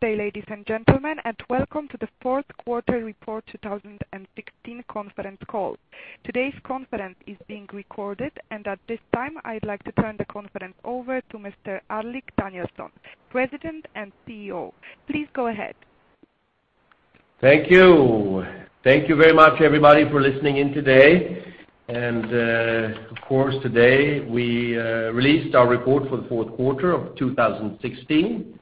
Good day, ladies and gentlemen, and welcome to the fourth quarter report 2016 conference call. Today's conference is being recorded, and at this time, I'd like to turn the conference over to Mr. Alrik Danielson, President and CEO. Please go ahead. Thank you. Thank you very much, everybody, for listening in today. And, of course, today we released our report for the fourth quarter of 2016,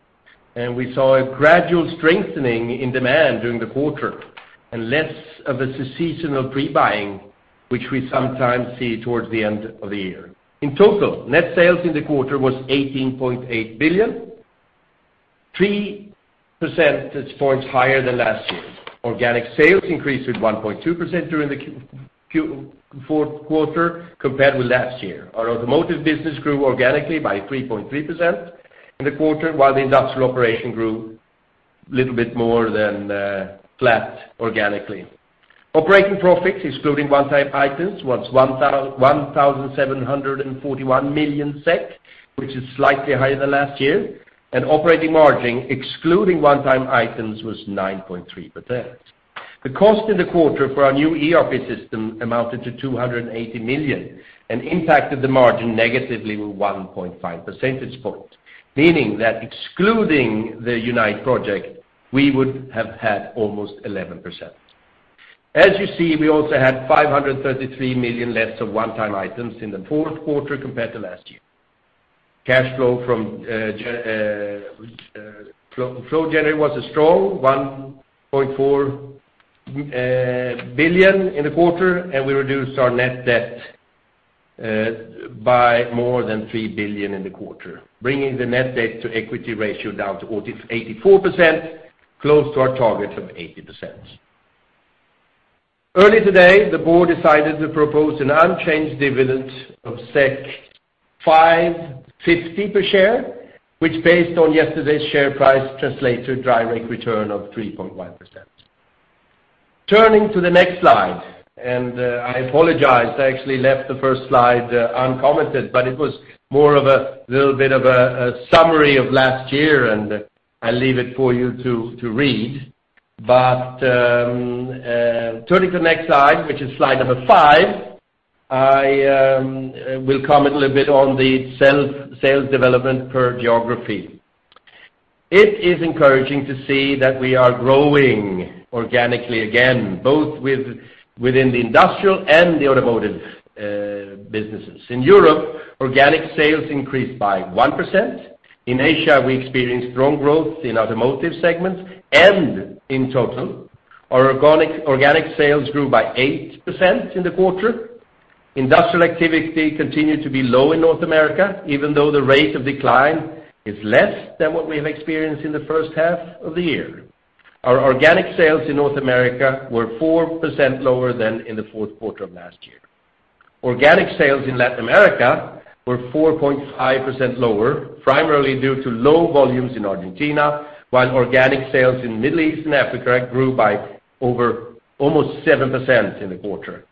and we saw a gradual strengthening in demand during the quarter and less of a seasonal pre-buying, which we sometimes see towards the end of the year. In total, net sales in the quarter was 18.8 billion, three percentage points higher than last year. Organic sales increased with 1.2% during the fourth quarter compared with last year. Our automotive business grew organically by 3.3% in the quarter, while the industrial operation grew a little bit more than flat organically. Operating profits, excluding one-time items, was 1,741 million SEK, which is slightly higher than last year, and operating margin, excluding one-time items, was 9.3%. The cost in the quarter for our new ERP system amounted to 280 million and impacted the margin negatively with 1.5 percentage points, meaning that excluding the Unite project, we would have had almost 11%. As you see, we also had 533 million less of one-time items in the fourth quarter compared to last year. Cash flow from operating activities was a strong 1.4 billion in the quarter, and we reduced our net debt by more than 3 billion in the quarter, bringing the net debt to equity ratio down to 84%, close to our target of 80%. Early today, the board decided to propose an unchanged dividend of 5.50 per share, which based on yesterday's share price, translates to a dividend yield of 3.1%. Turning to the next slide. I apologize, I actually left the first slide uncommented, but it was more of a little bit of a summary of last year, and I leave it for you to read. Turning to the next slide, which is slide number 5, I will comment a little bit on the sales, sales development per geography. It is encouraging to see that we are growing organically again, both within the industrial and the automotive businesses. In Europe, organic sales increased by 1%. In Asia, we experienced strong growth in automotive segments, and in total, our organic sales grew by 8% in the quarter. Industrial activity continued to be low in North America, even though the rate of decline is less than what we have experienced in the first half of the year. Our organic sales in North America were 4% lower than in the fourth quarter of last year. Organic sales in Latin America were 4.5% lower, primarily due to low volumes in Argentina, while organic sales in Middle East and Africa grew by over almost 7% in the quarter.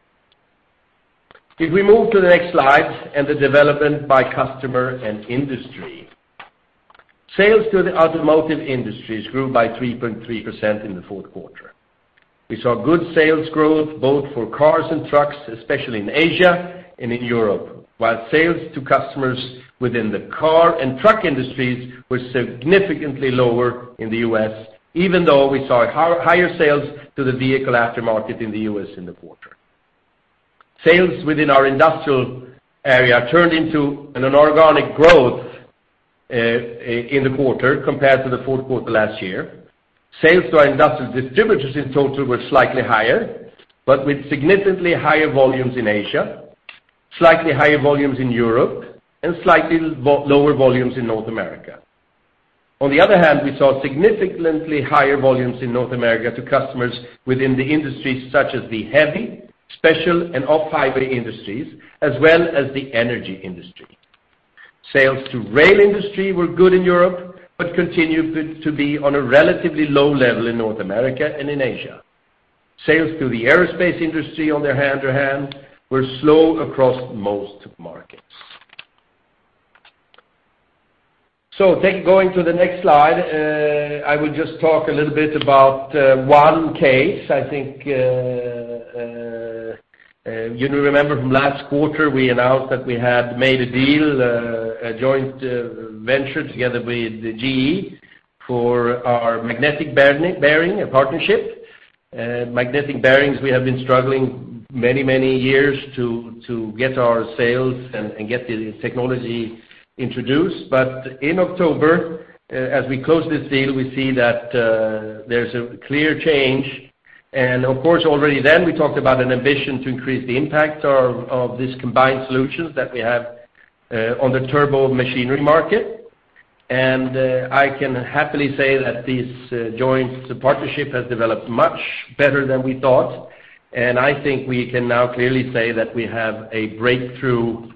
If we move to the next slide and the development by customer and industry. Sales to the automotive industries grew by 3.3% in the fourth quarter. We saw good sales growth both for cars and trucks, especially in Asia and in Europe, while sales to customers within the car and truck industries were significantly lower in the U.S., even though we saw higher sales to the vehicle aftermarket in the U.S. in the quarter. Sales within our industrial area turned into an organic growth in the quarter compared to the fourth quarter last year. Sales to our industrial distributors in total were slightly higher, but with significantly higher volumes in Asia, slightly higher volumes in Europe, and slightly lower volumes in North America. On the other hand, we saw significantly higher volumes in North America to customers within the industries such as the heavy, special, and off-highway industries, as well as the energy industry. Sales to rail industry were good in Europe, but continued to be on a relatively low level in North America and in Asia. Sales to the aerospace industry, on the other hand, were slow across most markets. So, going to the next slide, I will just talk a little bit about one case. I think you remember from last quarter, we announced that we had made a deal, a joint venture together with GE for our magnetic bearing, a partnership. Magnetic bearings, we have been struggling many, many years to get our sales and get the technology introduced. But in October, as we closed this deal, we see that there's a clear change. And of course, already then we talked about an ambition to increase the impact of these combined solutions that we have on the turbo machinery market. And I can happily say that this joint partnership has developed much better than we thought, and I think we can now clearly say that we have a breakthrough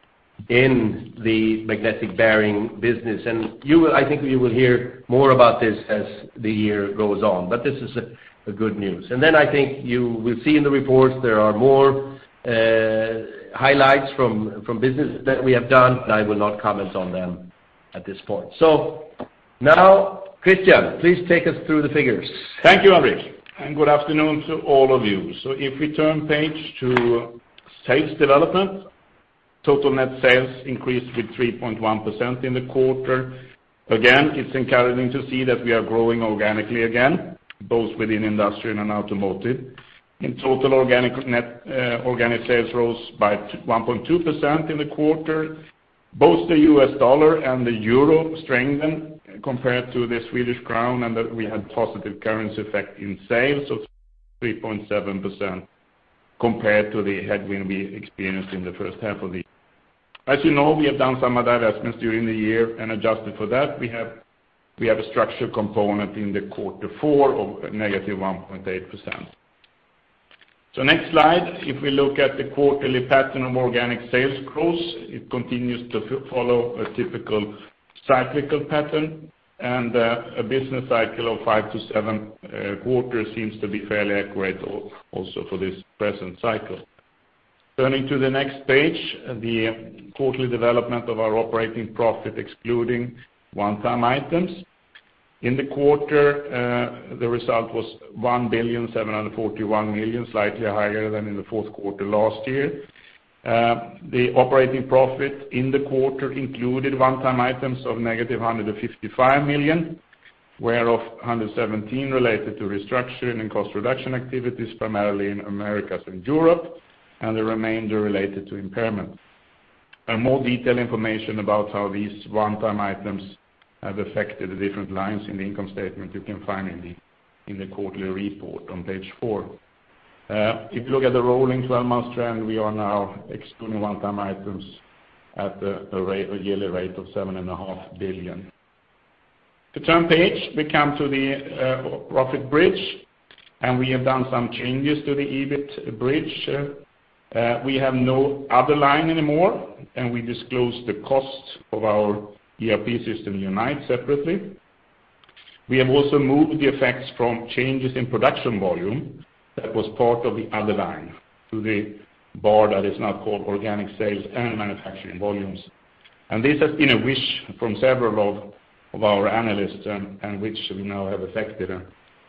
in the magnetic bearing business. And you will, I think you will hear more about this as the year goes on, but this is a good news. And then I think you will see in the reports there are more highlights from business that we have done, and I will not comment on them at this point. So now, Christian, please take us through the figures. Thank you, Alrik, and good afternoon to all of you. So if we turn page to sales development, total net sales increased with 3.1% in the quarter. Again, it's encouraging to see that we are growing organically again, both within industrial and automotive. In total, organic net, organic sales rose by 1.2% in the quarter. Both the U.S. dollar and the euro strengthened compared to the Swedish krona, and that we had positive currency effect in sales of 3.7% compared to the headwind we experienced in the first half of the year. As you know, we have done some divestments during the year, and adjusted for that, we have, we have a structure component in the quarter four of negative 1.8%. So next slide, if we look at the quarterly pattern of organic sales growth, it continues to follow a typical cyclical pattern, and a business cycle of 5-7 quarters seems to be fairly accurate also for this present cycle. Turning to the next page, the quarterly development of our operating profit, excluding one-time items. In the quarter, the result was 1,741 million, slightly higher than in the fourth quarter last year. The operating profit in the quarter included one-time items of -155 million, whereof 117 related to restructuring and cost reduction activities, primarily in Americas and Europe, and the remainder related to impairment. A more detailed information about how these one-time items have affected the different lines in the income statement, you can find in the quarterly report on page 4. If you look at the rolling twelve-month trend, we are now excluding one-time items at a rate, a yearly rate of 7.5 billion. To turn page, we come to the profit bridge, and we have done some changes to the EBIT bridge. We have no other line anymore, and we disclose the cost of our ERP system, Unite, separately. We have also moved the effects from changes in production volume that was part of the other line to the bar that is now called organic sales and manufacturing volumes. This has been a wish from several of our analysts, and which we now have affected, and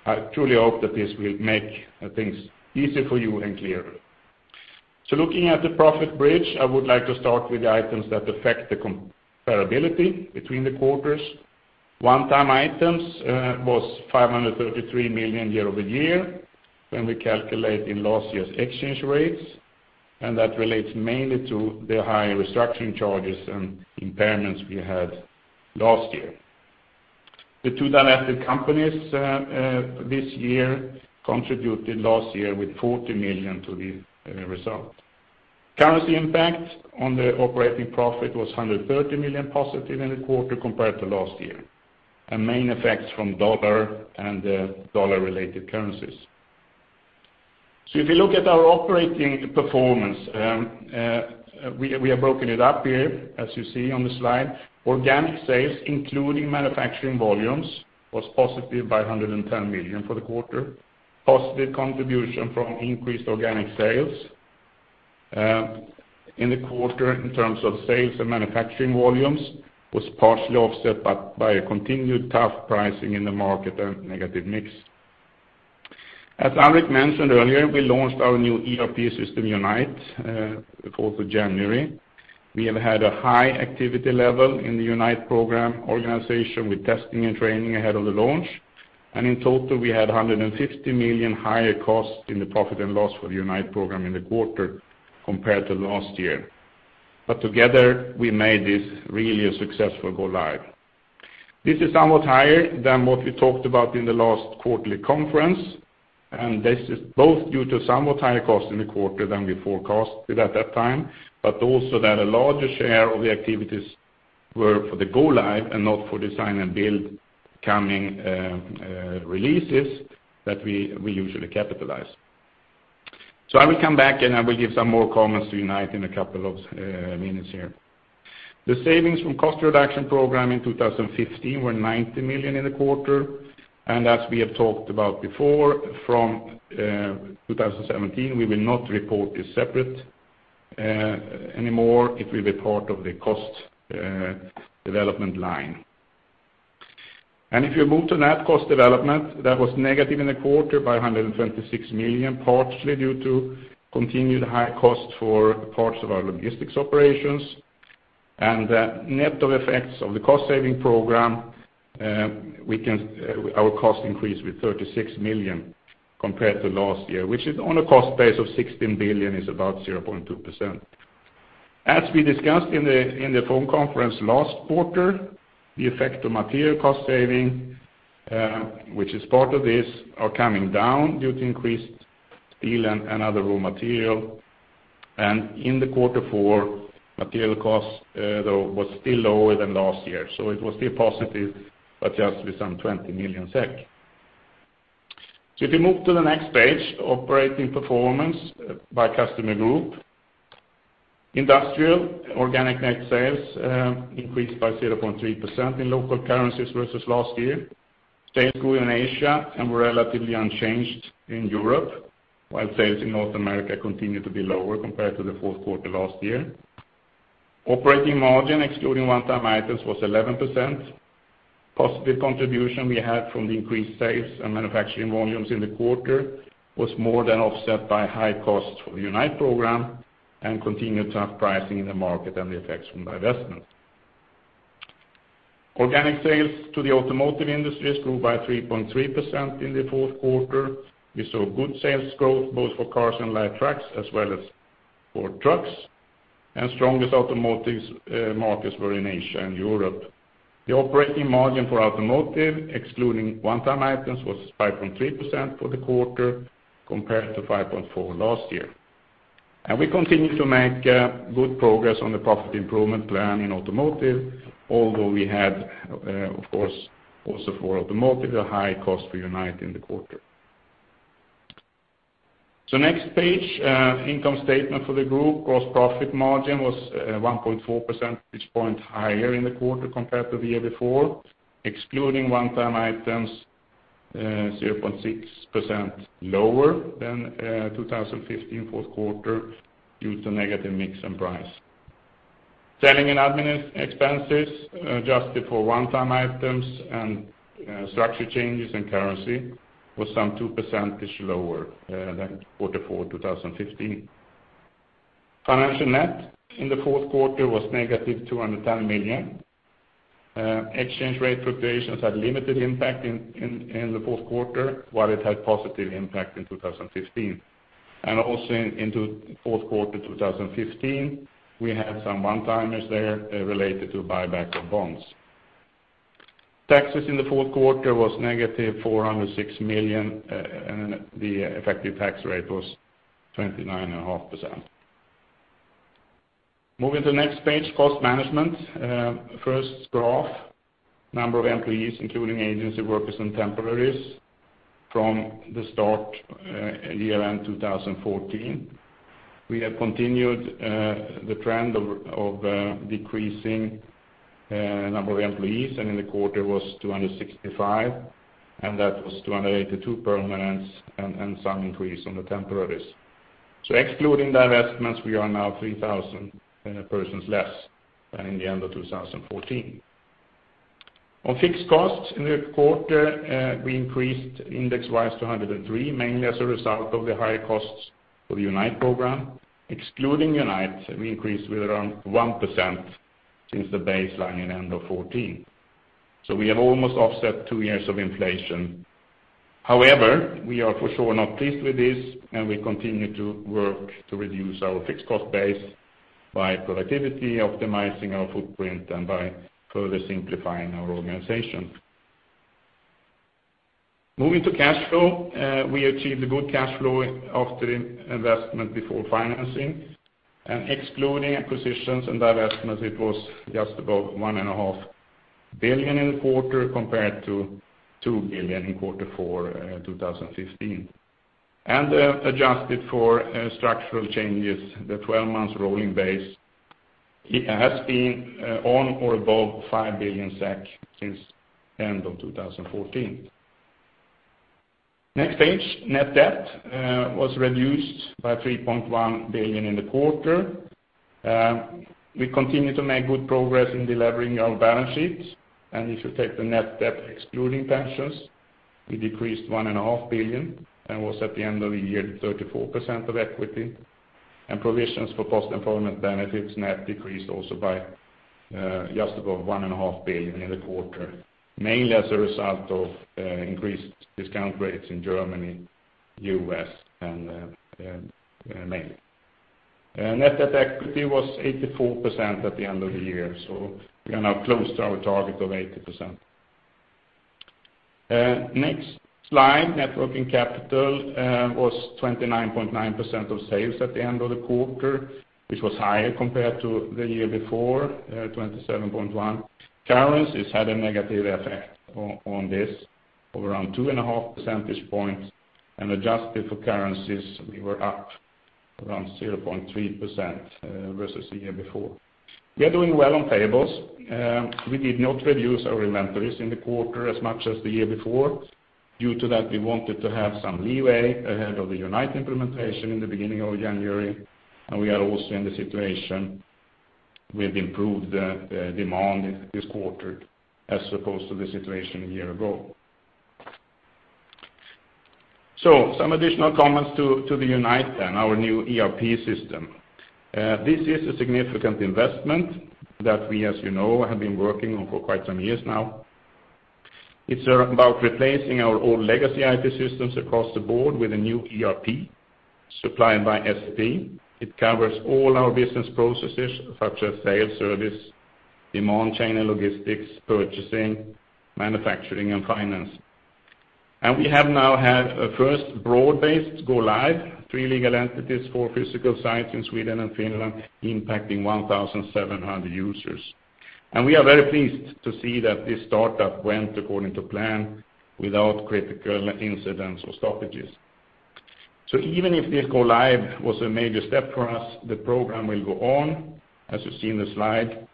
I truly hope that this will make things easier for you and clearer. So looking at the profit bridge, I would like to start with the items that affect the comparability between the quarters. One-time items was 533 million year-over-year, when we calculate in last year's exchange rates, and that relates mainly to the high restructuring charges and impairments we had last year. The two divested companies, this year, contributed last year with 40 million to the result. Currency impact on the operating profit was 130 million positive in the quarter compared to last year, and main effects from U.S. dollar and U.S. dollar-related currencies. So if you look at our operating performance, we have broken it up here, as you see on the slide. Organic sales, including manufacturing volumes, was positive by 110 million for the quarter. Positive contribution from increased organic sales in the quarter, in terms of sales and manufacturing volumes, was partially offset by a continued tough pricing in the market and negative mix. As Alrik mentioned earlier, we launched our new ERP system, Unite, the fourth of January. We have had a high activity level in the Unite program organization with testing and training ahead of the launch, and in total, we had 150 million higher costs in the profit and loss for the Unite program in the quarter compared to last year. But together, we made this really a successful go live. This is somewhat higher than what we talked about in the last quarterly conference, and this is both due to somewhat higher costs in the quarter than we forecasted at that time, but also that a larger share of the activities were for the go live and not for design and build coming releases that we usually capitalize. So I will come back, and I will give some more comments to Unite in a couple of minutes here. The savings from cost reduction program in 2015 were 90 million in the quarter, and as we have talked about before, from 2017, we will not report this separately anymore. It will be part of the cost development line. If you move to net cost development, that was negative in the quarter by 126 million, partially due to continued high cost for parts of our logistics operations. Net of effects of the cost saving program, our cost increased with 36 million compared to last year, which is on a cost base of 16 billion, is about 0.2%. As we discussed in the phone conference last quarter, the effect of material cost saving, which is part of this, are coming down due to increased steel and other raw material. In the quarter four, material costs, though, was still lower than last year, so it was still positive, but just with some 20 million SEK. If you move to the next page, operating performance by customer group. Industrial organic net sales increased by 0.3% in local currencies versus last year. Sales grew in Asia and were relatively unchanged in Europe, while sales in North America continued to be lower compared to the fourth quarter last year. Operating margin, excluding one-time items, was 11%. Positive contribution we had from the increased sales and manufacturing volumes in the quarter was more than offset by high costs for the Unite program and continued tough pricing in the market and the effects from divestment. Organic sales to the automotive industries grew by 3.3% in the fourth quarter. We saw good sales growth, both for cars and light trucks, as well as for trucks, and strongest automotives markets were in Asia and Europe. The operating margin for automotive, excluding one-time items, was 5.3% for the quarter compared to 5.4% last year. We continue to make good progress on the profit improvement plan in automotive, although we had, of course, also for automotive, a high cost for Unite in the quarter. Next page, income statement for the group. Gross profit margin was 1.4 percentage point higher in the quarter compared to the year before, excluding one-time items, 0.6% lower than 2015 fourth quarter due to negative mix and price. Selling and administrative expenses, adjusted for one-time items and structure changes and currency, was some 2% lower than quarter four 2015. Financial net in the fourth quarter was -210 million. Exchange rate fluctuations had limited impact in the fourth quarter, while it had positive impact in 2015. Also into fourth quarter 2015, we had some one-timers there related to buyback of bonds. Taxes in the fourth quarter was -406 million, and the effective tax rate was 29.5%. Moving to the next page, cost management. First graph, number of employees, including agency workers and temporaries, from the start, year-end 2014. We have continued the trend of decreasing number of employees, and in the quarter was 265, and that was 282 permanents and some increase on the temporaries. So excluding divestments, we are now 3,001 persons less than in the end of 2014. On fixed costs in the quarter, we increased index-wise to 103, mainly as a result of the higher costs for the Unite program. Excluding Unite, we increased with around 1% since the baseline in end of 2014. So we have almost offset two years of inflation. However, we are for sure not pleased with this, and we continue to work to reduce our fixed cost base by productivity, optimizing our footprint, and by further simplifying our organization. Moving to cash flow, we achieved a good cash flow after investment before financing, and excluding acquisitions and divestments, it was just about 1.5 billion in the quarter compared to 2 billion in quarter four, 2015. Adjusted for structural changes, the twelve-month rolling basis has been on or above 5 billion SEK since end of 2014. Next page, net debt was reduced by 3.1 billion in the quarter. We continue to make good progress in delevering our balance sheets, and if you take the net debt excluding pensions, we decreased 1.5 billion, and was at the end of the year, 34% of equity. Provisions for post-employment benefits net decreased also by just above 1.5 billion in the quarter, mainly as a result of increased discount rates in Germany, U.S., and mainly. Net debt equity was 84% at the end of the year, so we are now close to our target of 80%. Next slide, net working capital was 29.9% of sales at the end of the quarter, which was higher compared to the year before, 27.1%. Currencies had a negative effect on this, of around 2.5 percentage points, and adjusted for currencies, we were up around 0.3% versus the year before. We are doing well on payables. We did not reduce our inventories in the quarter as much as the year before. Due to that, we wanted to have some leeway ahead of the Unite implementation in the beginning of January, and we are also in the situation with improved demand this quarter, as opposed to the situation a year ago. So some additional comments to the Unite then, our new ERP system. This is a significant investment that we, as you know, have been working on for quite some years now. It's about replacing our old legacy IT systems across the board with a new ERP supplied by SAP. It covers all our business processes, such as sales, service, supply chain and logistics, purchasing, manufacturing, and finance. We have now had a first broad-based go live, 3 legal entities, 4 physical sites in Sweden and Finland, impacting 1,700 users. We are very pleased to see that this startup went according to plan without critical incidents or stoppages. So even if this go live was a major step for us, the program will go on, as you see in the slide,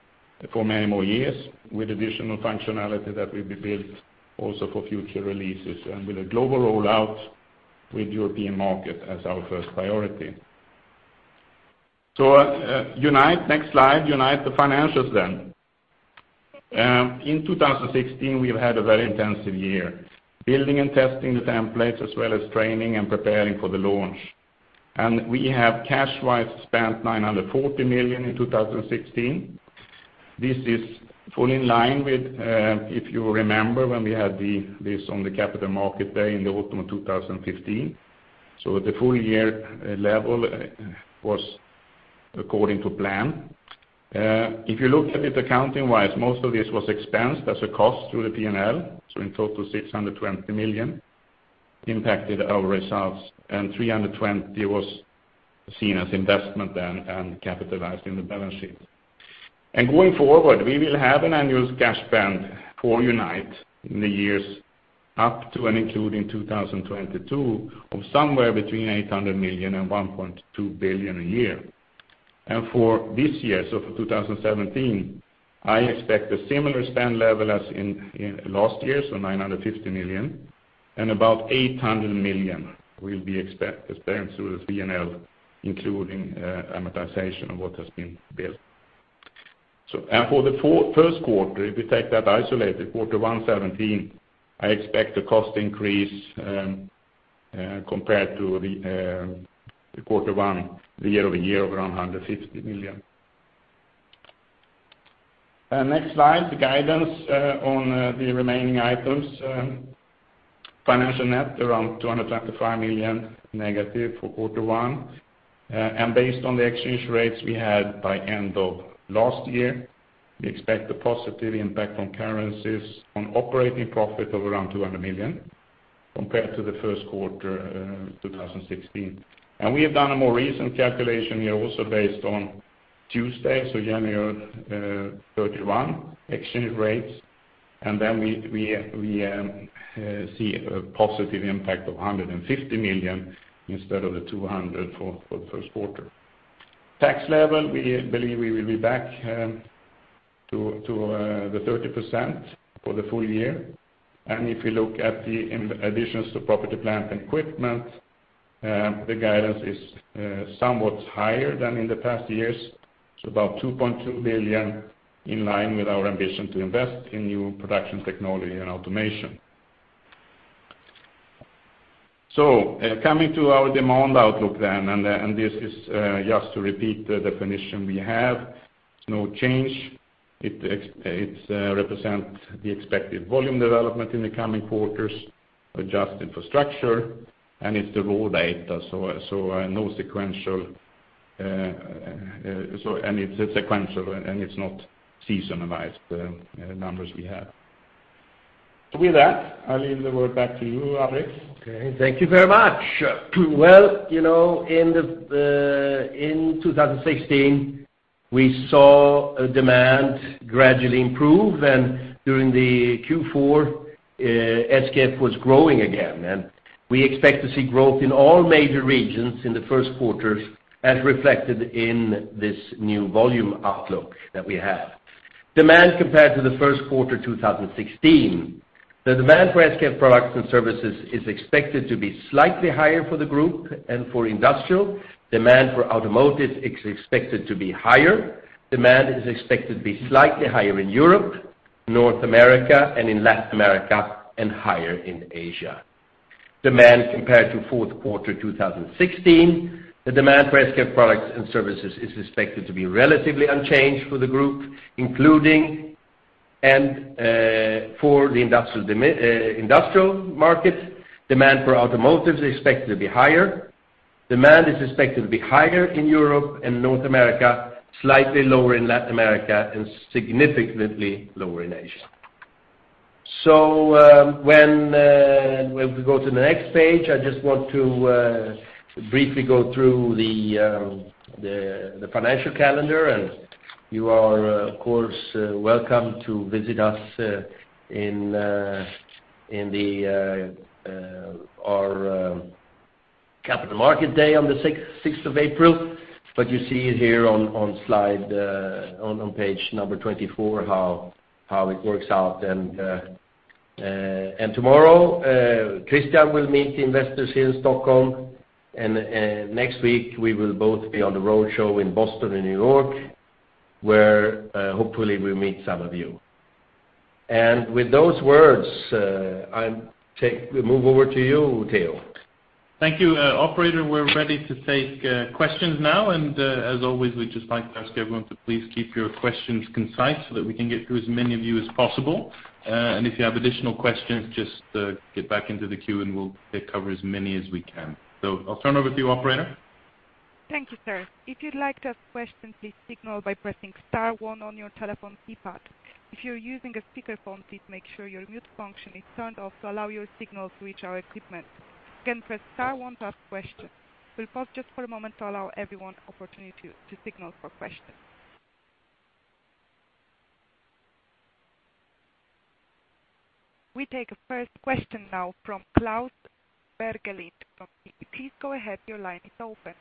for many more years, with additional functionality that will be built also for future releases, and with a global rollout with European market as our first priority. So, Unite, next slide, Unite, the financials then. In 2016, we have had a very intensive year, building and testing the templates, as well as training and preparing for the launch. And we have, cash-wise, spent 940 million in 2016. This is fully in line with, if you remember, when we had this on the Capital Market Day in the autumn of 2015. So the full year, level, was according to plan. If you look at it accounting-wise, most of this was expensed as a cost through the P&L, so in total, 620 million impacted our results, and 320 million was seen as investment then and capitalized in the balance sheet. Going forward, we will have an annual cash spend for Unite in the years up to and including 2022, of somewhere between 800 million and 1.2 billion a year. For this year, so for 2017, I expect a similar spend level as in last year, so 950 million, and about 800 million will be spent through the P&L, including amortization of what has been built. For the first quarter, if you take that isolated, Q1 2017, I expect a cost increase compared to the Q1, year-over-year of around SEK 150 million. Next slide, the guidance on the remaining items. Financial net, around 225 million negative for Q1. And based on the exchange rates we had by end of last year, we expect a positive impact on currencies, on operating profit of around 200 million, compared to the first quarter 2016. And we have done a more recent calculation here, also based on Tuesday, so January 31 exchange rates, and then we see a positive impact of 150 million instead of the 200 for the first quarter. Tax level, we believe we will be back to the 30% for the full year. And if you look at the additions to property, plant, and equipment, the guidance is somewhat higher than in the past years, so about 2.2 billion, in line with our ambition to invest in new production technology and automation. So coming to our demand outlook then, and this is just to repeat the definition we have, it's no change. It represents the expected volume development in the coming quarters, adjusted for structure, and it's the raw data, so no sequential... So it's a sequential, and it's not seasonalized, the numbers we have. With that, I'll leave the word back to you, Alrik. Okay, thank you very much. Well, you know, in 2016, we saw demand gradually improve, and during the Q4, SKF was growing again, and we expect to see growth in all major regions in the first quarters, as reflected in this new volume outlook that we have. Demand compared to the first quarter, 2016. The demand for SKF products and services is expected to be slightly higher for the group and for industrial. Demand for automotive is expected to be higher. Demand is expected to be slightly higher in Europe, North America, and in Latin America, and higher in Asia. Demand compared to fourth quarter 2016, the demand for SKF products and services is expected to be relatively unchanged for the group, including and for the industrial market, demand for automotive is expected to be higher. Demand is expected to be higher in Europe and North America, slightly lower in Latin America, and significantly lower in Asia. So, when we go to the next page, I just want to briefly go through the financial calendar, and you are, of course, welcome to visit us in our Capital Market Day on the sixth of April. But you see it here on slide on page number 24, how it works out. Tomorrow, Christian will meet the investors here in Stockholm, and next week, we will both be on the roadshow in Boston and New York, where hopefully we meet some of you. With those words, I'll move over to you, Theo. Thank you, operator. We're ready to take questions now, and as always, we'd just like to ask everyone to please keep your questions concise, so that we can get through as many of you as possible. And if you have additional questions, just get back into the queue, and we'll cover as many as we can. So I'll turn over to you, operator. Thank you, sir. If you'd like to ask questions, please signal by pressing star one on your telephone keypad. If you're using a speakerphone, please make sure your mute function is turned off to allow your signal to reach our equipment. Again, press star one to ask questions. We'll pause just for a moment to allow everyone opportunity to signal for questions... We take a first question now from Klas Bergelind from Citi. Please go ahead. Your line is open.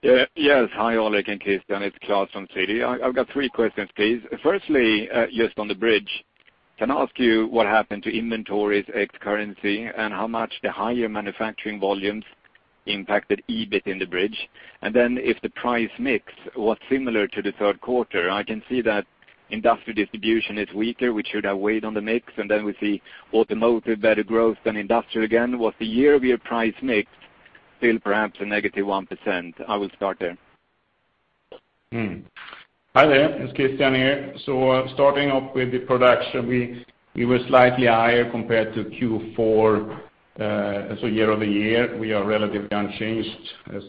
Yeah. Yes, hi, Alrik and Christian. It's Klas from Citi. I, I've got three questions, please. Firstly, just on the bridge, can I ask you what happened to inventories ex currency, and how much the higher manufacturing volumes impacted EBIT in the bridge? And then, if the price mix was similar to the third quarter, I can see that industrial distribution is weaker, which should have weighed on the mix, and then we see automotive better growth than industrial again. Was the year-over-year price mix still perhaps a negative 1%? I will start there. Hi there, it's Christian here. So, starting off with the production, we, we were slightly higher compared to Q4, so year-over-year, we are relatively unchanged,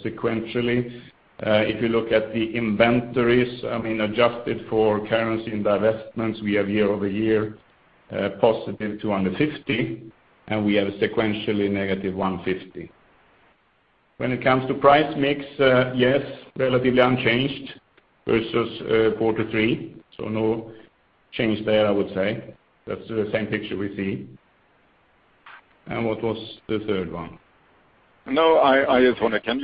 sequentially. If you look at the inventories, I mean, adjusted for currency and divestments, we have year-over-year, positive 250, and we have sequentially negative 150. When it comes to price mix, yes, relatively unchanged versus, quarter three, so no change there, I would say. That's the same picture we see. And what was the third one? No, I just wonder, can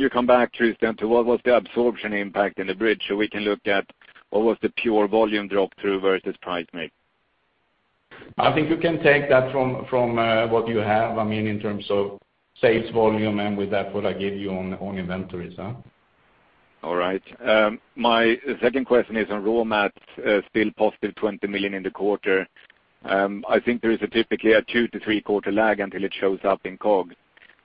you come back, Christian, to what was the absorption impact in the bridge, so we can look at what was the pure volume drop through versus price mix? I think you can take that from what you have, I mean, in terms of sales volume, and with that, what I give you on inventories? All right. My second question is on raw mats, still positive 20 million in the quarter. I think there is typically a 2–3 quarter lag until it shows up in COGS.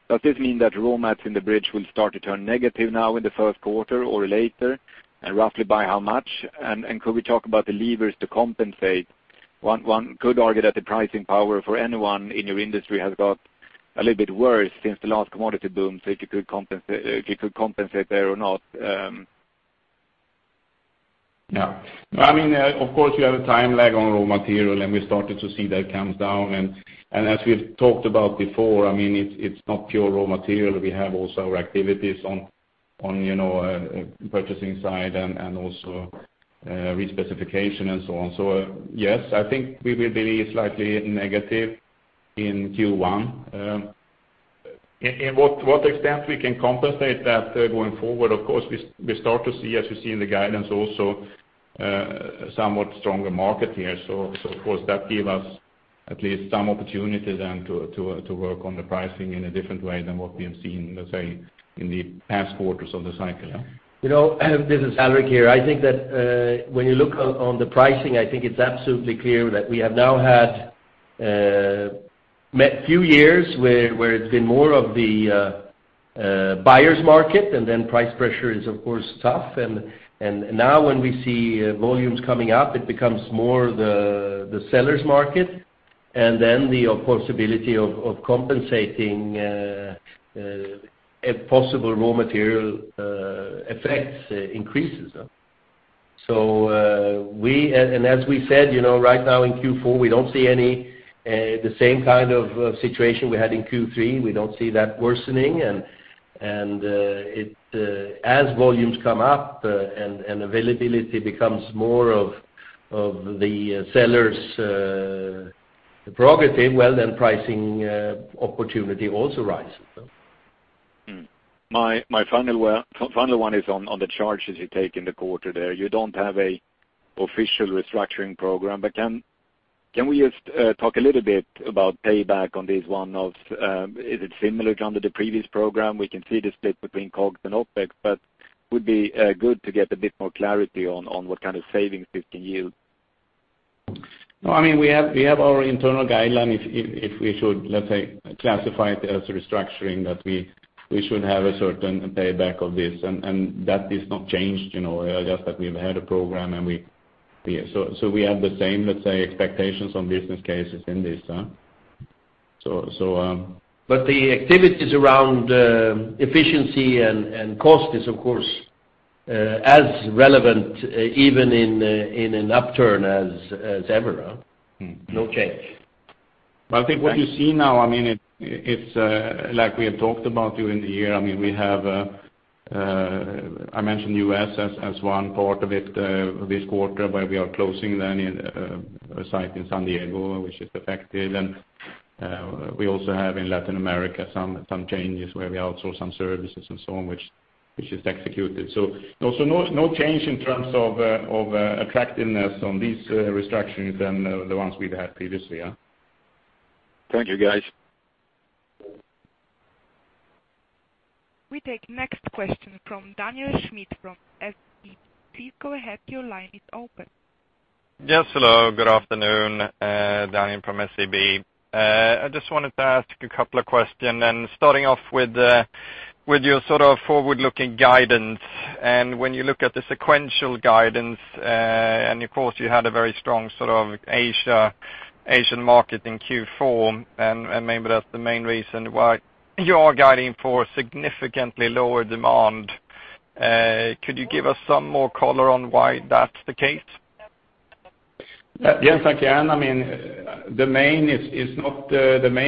Does this mean that raw mats in the bridge will start to turn negative now in the first quarter or later, and roughly by how much? And could we talk about the levers to compensate? One could argue that the pricing power for anyone in your industry has got a little bit worse since the last commodity boom. So if you could compensate there or not? Yeah. I mean, of course you have a time lag on raw material, and we started to see that comes down. And as we've talked about before, I mean, it's not pure raw material. We have also our activities on, on, you know, purchasing side and also re-specification and so on. So, yes, I think we will be slightly negative in Q1. In what extent we can compensate that going forward? Of course, we start to see, as you see in the guidance also, somewhat stronger market here. So of course, that give us at least some opportunity then to work on the pricing in a different way than what we have seen, let's say, in the past quarters of the cycle, yeah. You know, this is Alrik here. I think that, when you look on, on the pricing, I think it's absolutely clear that we have now had a few years where, where it's been more of the, buyer's market, and then price pressure is, of course, tough. And, now, when we see volumes coming up, it becomes more the, the seller's market, and then the, of course, possibility of, compensating, a possible raw material, effect increases. So, we... And, as we said, you know, right now in Q4, we don't see any, the same kind of situation we had in Q3. We don't see that worsening, and, it, as volumes come up, and, availability becomes more of, the seller's, prerogative, well, then pricing, opportunity also rises, so. My final one is on the charges you take in the quarter there. You don't have an official restructuring program, but can we just talk a little bit about payback on this one? Is it similar to under the previous program? We can see the split between COGS and OpEx, but would be good to get a bit more clarity on what kind of savings this can yield. No, I mean, we have our internal guideline if we should, let's say, classify it as restructuring, that we should have a certain payback of this, and that is not changed, you know, just that we've had a program and we... So we have the same, let's say, expectations on business cases in this, so. But the activities around efficiency and cost is, of course, as relevant even in an upturn as ever. Hmm. No change. But I think what you see now, I mean, it's like we had talked about during the year. I mean, I mentioned U.S. as one part of it this quarter, where we are closing down a site in San Diego, which is affected. And we also have in Latin America some changes where we outsource some services and so on, which is executed. So no change in terms of attractiveness on these restructurings than the ones we'd had previously, yeah. Thank you, guys. We take next question from Daniel Schmidt from SEB. Please go ahead. Your line is open. Yes, hello, good afternoon, Daniel from SEB. I just wanted to ask a couple of questions, starting off with your sort of forward-looking guidance. When you look at the sequential guidance, and of course, you had a very strong sort of Asia, Asian market in Q4, and maybe that's the main reason why you are guiding for significantly lower demand. Could you give us some more color on why that's the case? Yes, I can. I mean, the main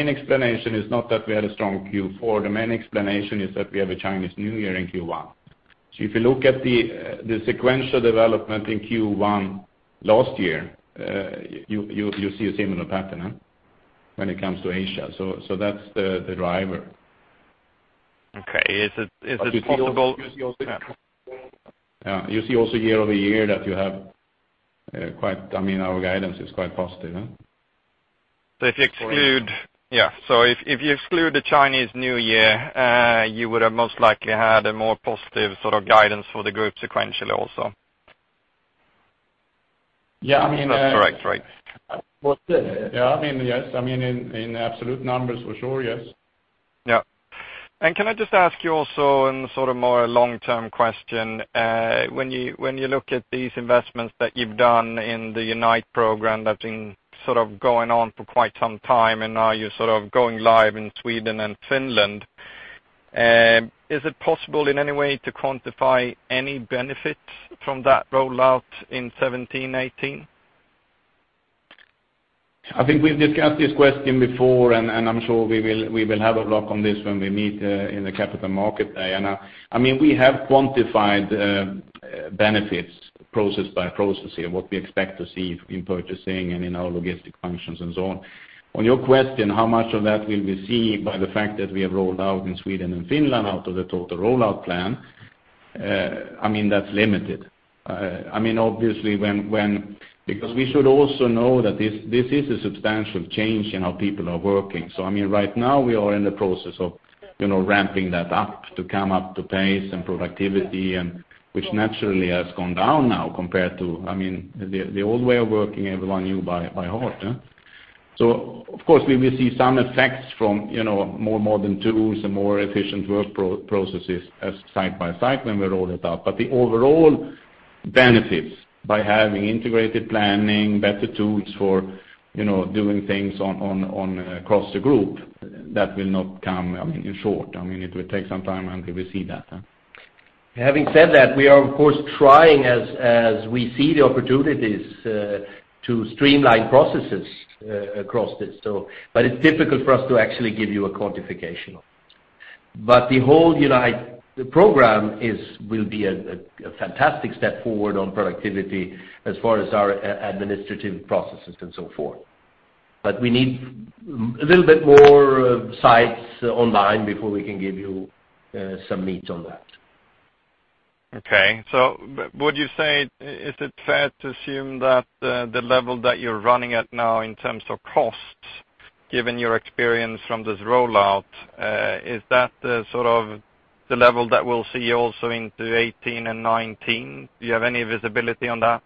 explanation is not that we had a strong Q4. The main explanation is that we have a Chinese New Year in Q1. So if you look at the sequential development in Q1 last year, you see a similar pattern, huh? When it comes to Asia, so that's the driver. Okay. Is it possible- Yeah. You see also year-over-year that you have, quite, I mean, our guidance is quite positive, huh? So if you exclude the Chinese New Year, you would have most likely had a more positive sort of guidance for the group sequentially also. Yeah, I mean- That's correct, right? Yeah, I mean, yes. I mean, in absolute numbers, for sure, yes. Yeah. And can I just ask you also in a sort of more long-term question, when you, when you look at these investments that you've done in the Unite program, that's been sort of going on for quite some time, and now you're sort of going live in Sweden and Finland, is it possible in any way to quantify any benefits from that rollout in 2017, 2018? I think we've discussed this question before, and I'm sure we will have a look on this when we meet in the Capital Markets Day. And I mean, we have quantified benefits, process by process here, what we expect to see in purchasing and in our logistics functions and so on. On your question, how much of that will we see by the fact that we have rolled out in Sweden and Finland out of the total rollout plan? I mean, that's limited. I mean, obviously, because we should also know that this is a substantial change in how people are working. So I mean, right now, we are in the process of, you know, ramping that up to come up to pace and productivity, and which naturally has gone down now compared to, I mean, the old way of working, everyone knew by heart, yeah. So of course, we will see some effects from, you know, more modern tools and more efficient work processes as site by site when we roll it out. But the overall benefits by having integrated planning, better tools for, you know, doing things on across the group, that will not come, I mean, in short. I mean, it will take some time until we see that, huh. Having said that, we are, of course, trying as we see the opportunities to streamline processes across this. So, but it's difficult for us to actually give you a quantification. But the whole, Unite, the program is, will be a fantastic step forward on productivity as far as our administrative processes and so forth. But we need a little bit more sites online before we can give you some meat on that. Okay. So would you say, is it fair to assume that the level that you're running at now in terms of costs, given your experience from this rollout, is that the sort of the level that we'll see also into 2018 and 2019? Do you have any visibility on that?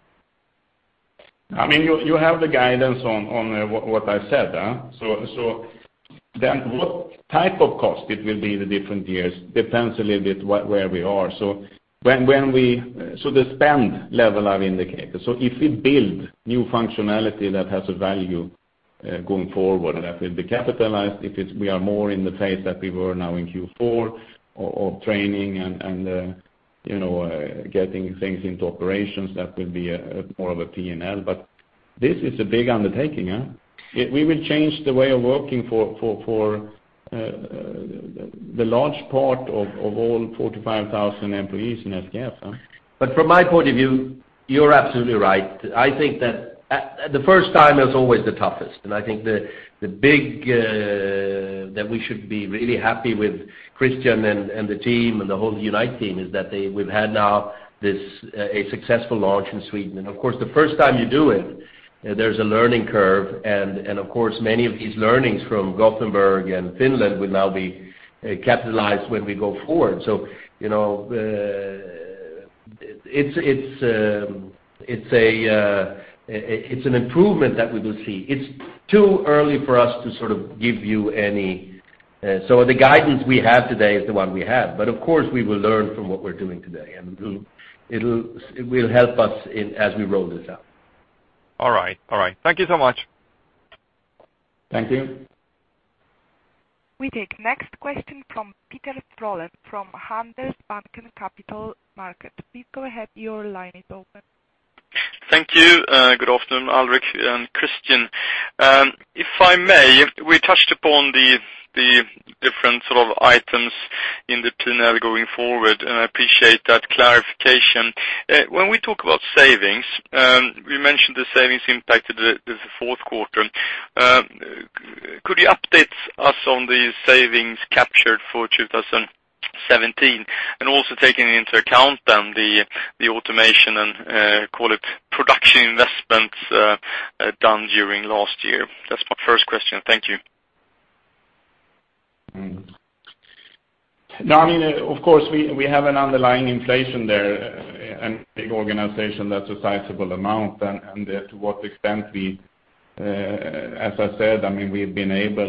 I mean, you have the guidance on what I said, huh? So then what type of cost it will be the different years depends a little bit where we are. So the spend level I've indicated. So if we build new functionality that has a value, going forward, that will be capitalized. If it's we are more in the phase that we were now in Q4 of training and, you know, getting things into operations, that will be more of a P&L. But this is a big undertaking, huh? We will change the way of working for the large part of all 45,000 employees in SKF, huh. But from my point of view, you're absolutely right. I think that the first time is always the toughest, and I think the big that we should be really happy with Christian and the team, and the whole Unite team, is that they've had now this a successful launch in Sweden. Of course, the first time you do it, there's a learning curve, and of course, many of these learnings from Gothenburg and Finland will now be capitalized when we go forward. So, you know, it's, it's, it's an improvement that we will see. It's too early for us to sort of give you any. So the guidance we have today is the one we have. But of course, we will learn from what we're doing today, and it will help us as we roll this out. All right. All right. Thank you so much. Thank you. We take next question from Peder Frölén, from Handelsbanken Capital Markets. Please go ahead. Your line is open. Thank you, good afternoon, Alrik and Christian. If I may, we touched upon the different sort of items in the P&L going forward, and I appreciate that clarification. When we talk about savings, you mentioned the savings impact to the fourth quarter. Could you update us on the savings captured for 2017, and also taking into account then the automation and call it production investments done during last year? That's my first question. Thank you. Now, I mean, of course, we have an underlying inflation there, and big organization that's a sizable amount, and to what extent we... As I said, I mean, we've been able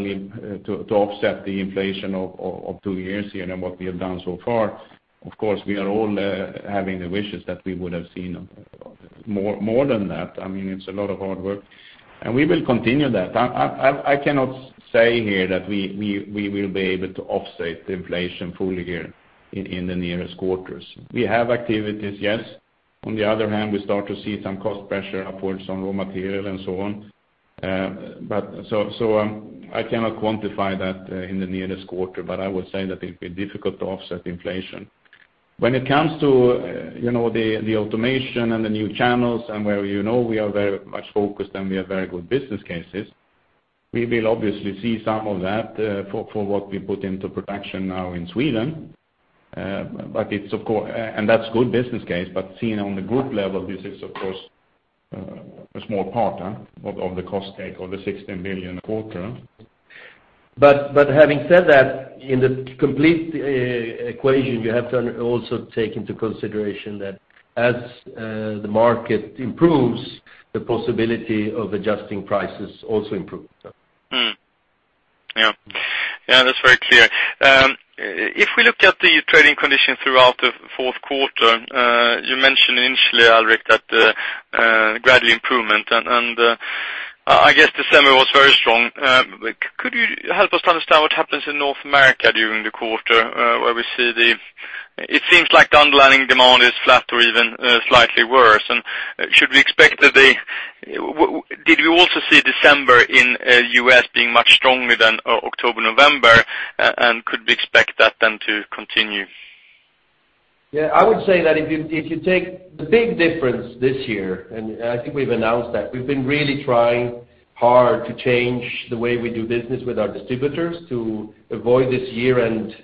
to offset the inflation of two years here, and what we have done so far. Of course, we are all having the wishes that we would have seen more, more than that. I mean, it's a lot of hard work, and we will continue that. I cannot say here that we will be able to offset the inflation fully here in the nearest quarters. We have activities, yes. On the other hand, we start to see some cost pressure upon some raw material and so on. But so, I cannot quantify that in the nearest quarter, but I would say that it'd be difficult to offset inflation. When it comes to, you know, the automation and the new channels and where, you know, we are very much focused, and we have very good business cases, we will obviously see some of that, for what we put into production now in Sweden. But it's of course, and that's good business case. But seen on the group level, this is of course, a small part, of the cost take or the 16 billion a quarter. But, having said that, in the complete equation, you have to also take into consideration that as the market improves, the possibility of adjusting prices also improves. Yeah. Yeah, that's very clear. If we look at the trading conditions throughout the fourth quarter, you mentioned initially, Alrik, that gradual improvement, and I guess December was very strong. Could you help us understand what happens in North America during the quarter, where we see. It seems like the underlying demand is flat or even slightly worse. And should we expect that? Did you also see December in the U.S. being much stronger than October, November, and could we expect that then to continue? Yeah, I would say that if you take the big difference this year, and I think we've announced that, we've been really trying hard to change the way we do business with our distributors to avoid this year-end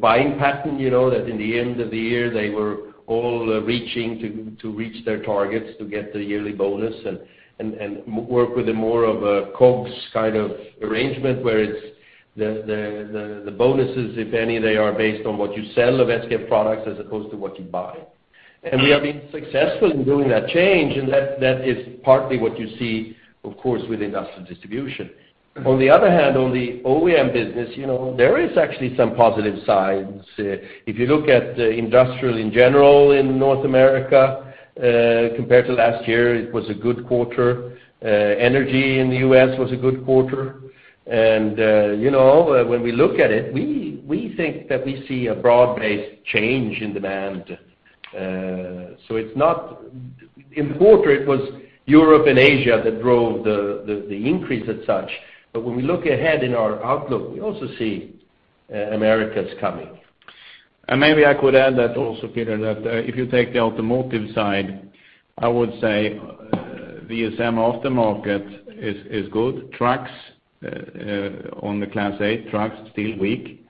buying pattern, you know, that in the end of the year, they were all reaching to reach their targets, to get the yearly bonus and work with more of a COGS kind of arrangement, where it's the bonuses, if any, they are based on what you sell of SKF products as opposed to what you buy. And we have been successful in doing that change, and that is partly what you see, of course, with industrial distribution. On the other hand, on the OEM business, you know, there is actually some positive signs. If you look at the industrial in general in North America, compared to last year, it was a good quarter. Energy in the U.S. was a good quarter, and, you know, when we look at it, we think that we see a broad-based change in demand. So it's not. In the quarter, it was Europe and Asia that drove the increase as such. But when we look ahead in our outlook, we also see Americas coming. And maybe I could add that also, Peder, that, if you take the automotive side, I would say, VSM aftermarket is, is good. Trucks, on the Class 8 trucks, still weak.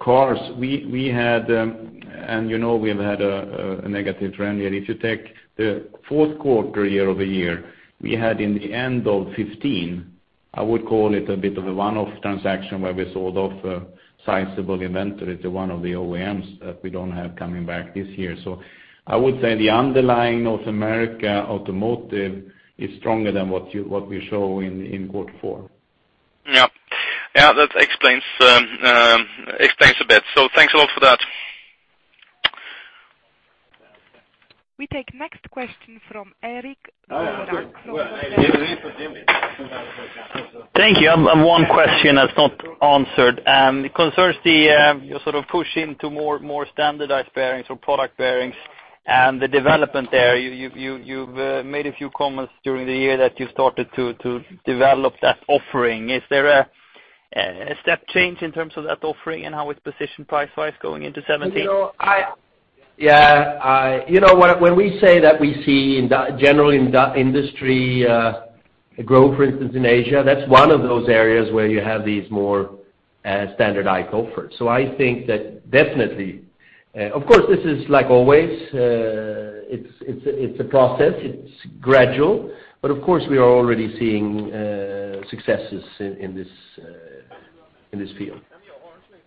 Cars, we, we had, and, you know, we have had a, a negative trend here. If you take the fourth quarter year-over-year, we had in the end of 2015, I would call it a bit of a one-off transaction, where we sold off a sizable inventory to one of the OEMs that we don't have coming back this year. So I would say the underlying North America automotive is stronger than what you, what we show in, in quarter four. Yeah. Yeah, that explains a bit. So thanks a lot for that. We take next question from Erik. Thank you. One question that's not answered, and it concerns your sort of push into more standardized bearings or product bearings and the development there. You've made a few comments during the year that you started to develop that offering. Is there a step change in terms of that offering and how it's positioned price-wise going into 2017? You know, yeah. You know, when we say that we see, generally in the industry, growth, for instance, in Asia, that's one of those areas where you have these more standardized offers. So I think that definitely, of course, this is like always, it's a process, it's gradual, but of course, we are already seeing successes in this field.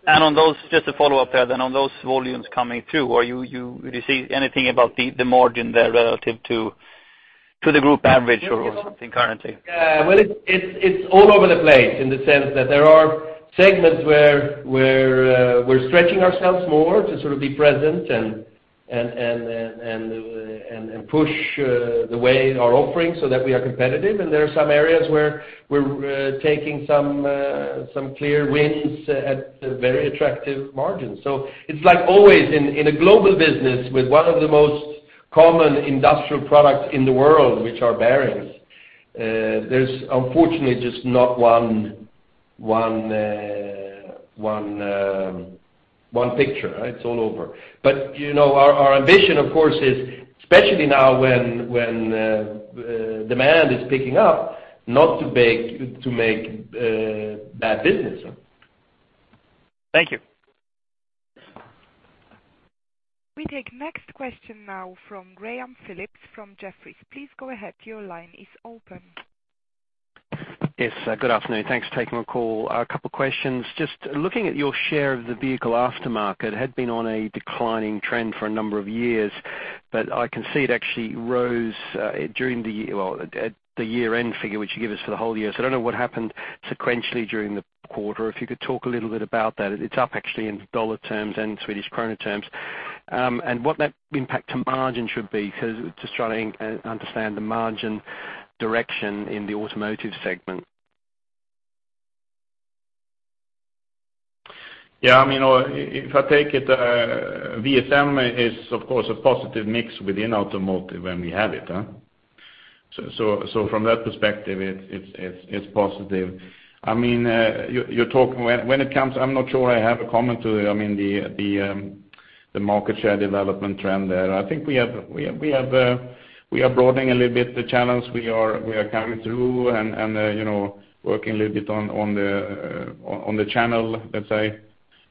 On those, just to follow up there, then on those volumes coming through, do you see anything about the margin there relative to the group average or something currently? Well, it's all over the place in the sense that there are segments where we're stretching ourselves more to sort of be present and push the way our offerings so that we are competitive. And there are some areas where we're taking some clear wins at very attractive margins. So it's like always in a global business with one of the most common industrial products in the world, which are bearings, there's unfortunately just not one picture, right? It's all over. But, you know, our ambition, of course, is especially now when demand is picking up, not to make bad business. Thank you. We take next question now from Graham Phillips, from Jefferies. Please go ahead. Your line is open. Yes, good afternoon. Thanks for taking my call. A couple questions. Just looking at your share of the vehicle aftermarket, had been on a declining trend for a number of years, but I can see it actually rose during the year. Well, at the year-end figure, which you give us for the whole year. So I don't know what happened sequentially during the quarter. If you could talk a little bit about that. It's up actually in dollar terms and Swedish krona terms, and what that impact to margin should be, because just trying to understand the margin direction in the automotive segment.... Yeah, I mean, if I take it, VSM is of course a positive mix within automotive when we have it, huh? So from that perspective, it's positive. I mean, you're talking when it comes—I'm not sure I have a comment to, I mean, the market share development trend there. I think we are broadening a little bit the channels. We are coming through and you know, working a little bit on the channel, let's say,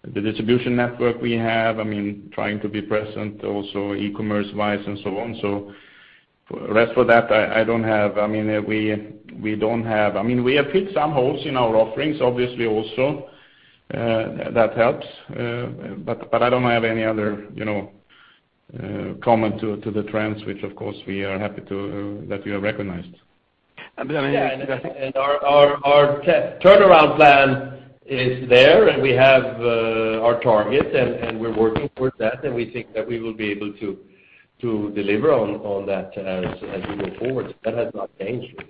the distribution network we have. I mean, trying to be present, also e-commerce wise and so on. So for rest of that, I don't have... I mean, we don't have, I mean, we have filled some holes in our offerings, obviously, also, that helps. But I don't have any other, you know, comment to the trends, which of course, we are happy to that we are recognized. And then, yeah, our turnaround plan is there, and we have our target, and we're working towards that, and we think that we will be able to deliver on that as we move forward. That has not changed.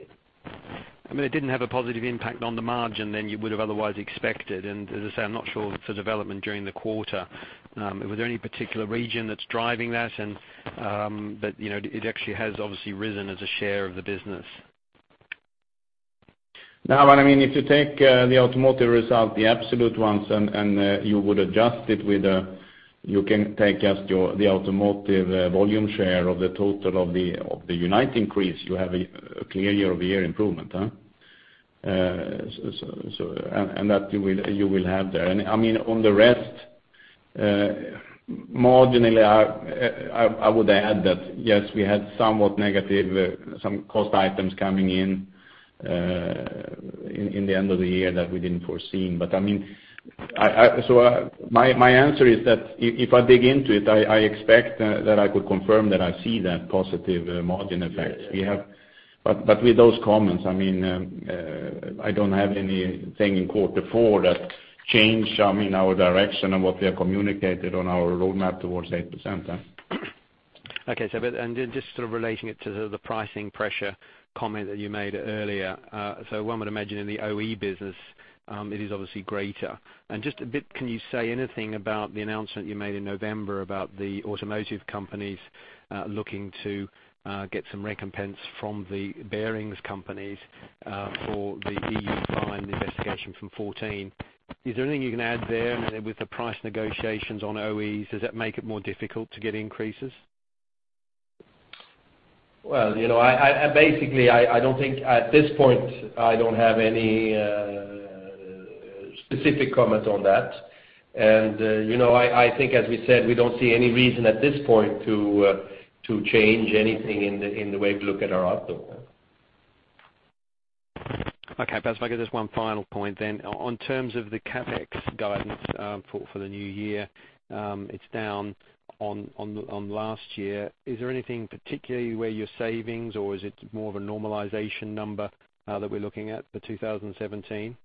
I mean, it didn't have a positive impact on the margin than you would have otherwise expected. And as I say, I'm not sure the development during the quarter, were there any particular region that's driving that? And, but, you know, it actually has obviously risen as a share of the business. Now, what I mean, if you take the automotive result, the absolute ones, and you would adjust it with, you can take just your the automotive volume share of the total of the Unite increase, you have a clear year-over-year improvement, huh? So, and that you will have there. And I mean, on the rest, marginally, I would add that, yes, we had somewhat negative some cost items coming in, in the end of the year that we didn't foreseen. But I mean, so, my answer is that if I dig into it, I expect that I could confirm that I see that positive margin effect we have. But with those comments, I mean, I don't have anything in quarter four that changed, I mean, our direction and what we have communicated on our roadmap towards 8%, huh? Okay, just sort of relating it to the pricing pressure comment that you made earlier, so one would imagine in the OE business, it is obviously greater. And just a bit, can you say anything about the announcement you made in November about the automotive companies looking to get some recompense from the bearings companies for the investigation from 2014? Is there anything you can add there with the price negotiations on OEs? Does that make it more difficult to get increases? Well, you know, basically, I don't think at this point I don't have any specific comments on that. And, you know, I think as we said, we don't see any reason at this point to change anything in the way we look at our outlook. Okay, Per, if I could just one final point then. On terms of the CapEx guidance, for the new year, it's down on last year. Is there anything particularly where you're savings, or is it more of a normalization number, that we're looking at for 2017?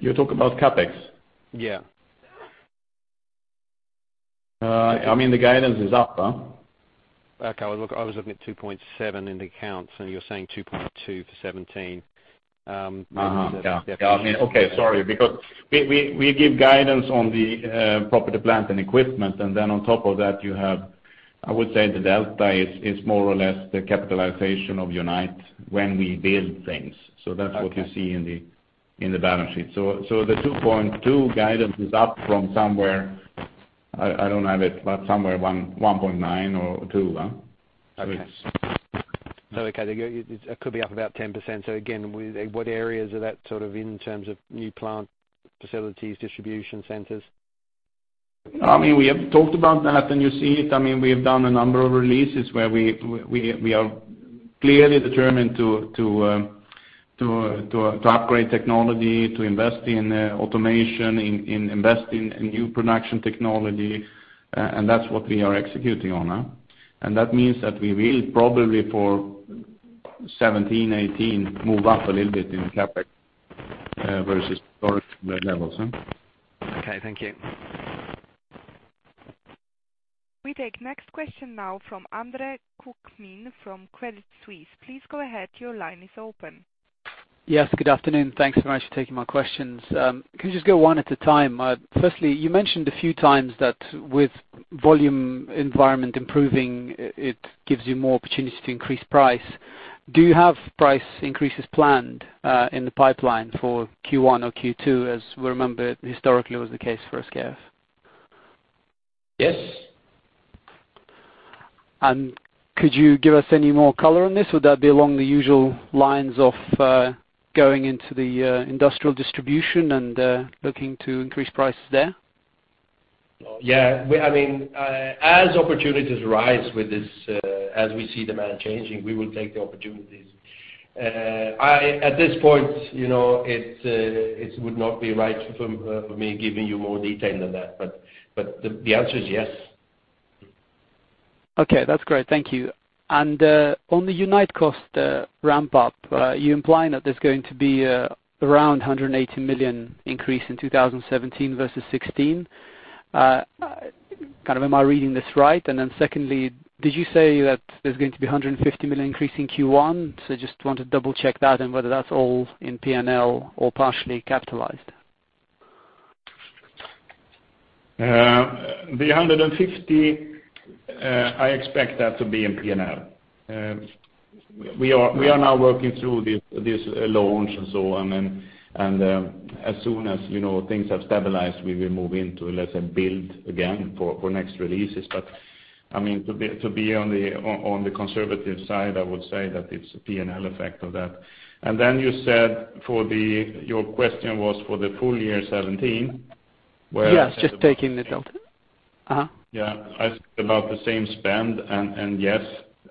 You're talking about CapEx? Yeah. I mean, the guidance is up, huh? Okay, well, look, I was looking at 2.7 in the accounts, and you're saying 2.2 for 2017. Yeah, yeah. I mean, okay, sorry, because we give guidance on the property, plant, and equipment, and then on top of that, you have, I would say the delta is more or less the capitalization of Unite when we build things. Okay. So that's what you see in the balance sheet. So the 2.2 guidance is up from somewhere, I don't have it, but somewhere 1.9 or 2, huh? Okay. So okay, it could be up about 10%. So again, what areas are that sort of in terms of new plant, facilities, distribution centers? I mean, we have talked about that, and you see it. I mean, we have done a number of releases where we are clearly determined to upgrade technology, to invest in automation, invest in new production technology, and that's what we are executing on, huh? And that means that we will probably for 2017, 2018, move up a little bit in CapEx versus current levels, huh. Okay, thank you. We take next question now from Andre Kukhnin from Credit Suisse. Please go ahead. Your line is open. Yes, good afternoon. Thanks very much for taking my questions. Can we just go one at a time? Firstly, you mentioned a few times that with volume environment improving, it gives you more opportunities to increase price. Do you have price increases planned in the pipeline for Q1 or Q2, as we remember, historically, was the case for SKF? Yes. Could you give us any more color on this? Would that be along the usual lines of going into the industrial distribution and looking to increase prices there? Yeah. We, I mean, as opportunities arise with this, as we see the demand changing, we will take the opportunities. I, at this point, you know, it, it would not be right for, for me giving you more detail than that, but, but the, the answer is yes. Okay, that's great. Thank you. And, on the Unite cost ramp up, are you implying that there's going to be around 180 million increase in 2017 versus 2016? Kind of, am I reading this right? And then secondly, did you say that there's going to be a 150 million increase in Q1? So just want to double check that and whether that's all in P&L or partially capitalized. The 150, I expect that to be in P&L. We are, we are now working through this, this launch and so on. And, and, as soon as, you know, things have stabilized, we will move into, let's say, build again for, for next releases. But I mean, to be, to be on the, on, on the conservative side, I would say that it's a P&L effect of that. And then you said for the-- your question was for the full year 2017, where. Yes, just taking the delta. Uh-huh. Yeah, I said about the same spend, and, and yes,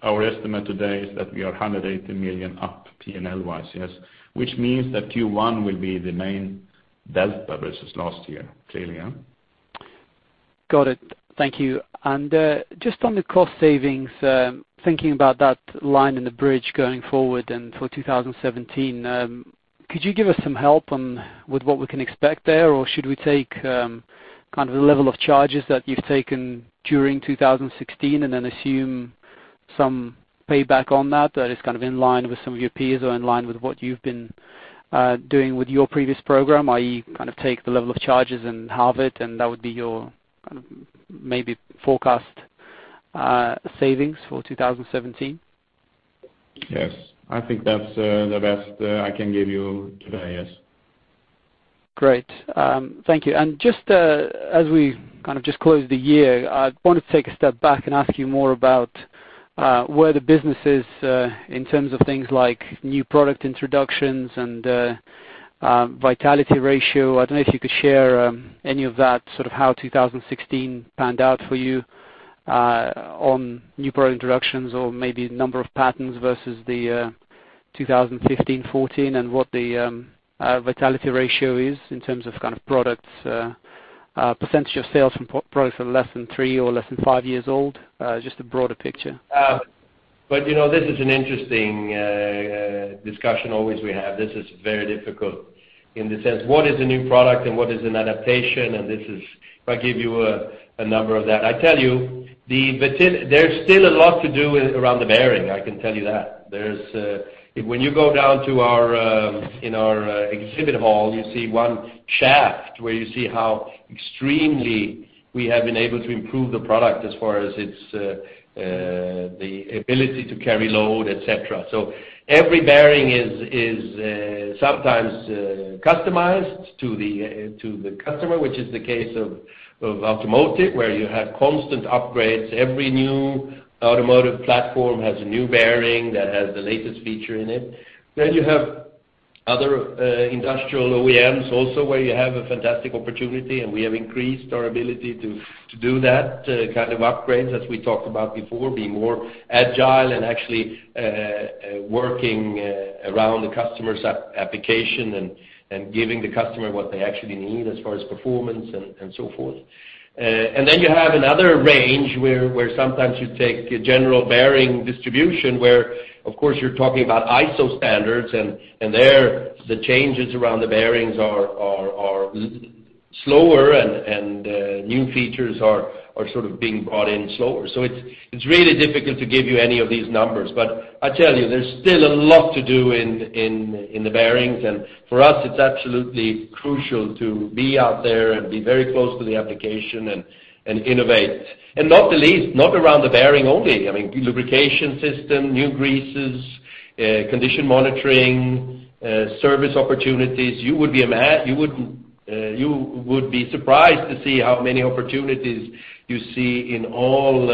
our estimate today is that we are 180 million up P&L-wise, yes. Which means that Q1 will be the main delta versus last year, clearly, yeah. Got it. Thank you. And, just on the cost savings, thinking about that line in the bridge going forward and for 2017, could you give us some help on with what we can expect there? Or should we take, kind of the level of charges that you've taken during 2016, and then assume some payback on that, that is kind of in line with some of your peers or in line with what you've been, doing with your previous program, i.e., kind of take the level of charges and halve it, and that would be your kind of maybe forecast, savings for 2017? Yes. I think that's the best I can give you today, yes. Great. Thank you. Just, as we kind of just close the year, I want to take a step back and ask you more about where the business is in terms of things like new product introductions and vitality ratio. I don't know if you could share any of that, sort of how 2016 panned out for you on new product introductions or maybe the number of patents versus the 2015, 2014, and what the vitality ratio is in terms of kind of products, percentage of sales from products are less than three or less than five years old, just a broader picture. But, you know, this is an interesting discussion always we have. This is very difficult in the sense, what is a new product and what is an adaptation? And this is if I give you a number of that, I tell you, there's still a lot to do around the bearing, I can tell you that. There's a when you go down to our in our exhibit hall, you see one shaft where you see how extremely we have been able to improve the product as far as its the ability to carry load, et cetera. So every bearing is sometimes customized to the to the customer, which is the case of automotive, where you have constant upgrades. Every new automotive platform has a new bearing that has the latest feature in it. Then you have other, industrial OEMs also, where you have a fantastic opportunity, and we have increased our ability to do that kind of upgrades, as we talked about before, being more agile and actually working around the customer's application and giving the customer what they actually need as far as performance and so forth. And then you have another range where sometimes you take a general bearing distribution, where, of course, you're talking about ISO standards, and there, the changes around the bearings are slower and new features are sort of being brought in slower. So it's really difficult to give you any of these numbers. But I tell you, there's still a lot to do in the bearings, and for us, it's absolutely crucial to be out there and be very close to the application and innovate. And not the least, not around the bearing only. I mean, lubrication system, new greases, condition monitoring, service opportunities. You would be a mad you would, you would be surprised to see how many opportunities you see in all,